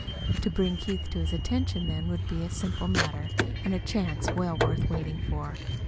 To bring Keith to his attention then would be a simple matter, and a chance well worth waiting for.